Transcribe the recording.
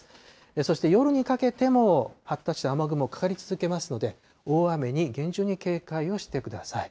そして夜にかけても、発達した雨雲、かかり続けますので、大雨に厳重に警戒をしてください。